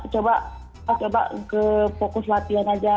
coba coba ke fokus latihan aja